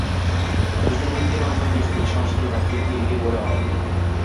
Prezidentlikka nomzod nechta ishonchli vakilga ega bo‘la oladi?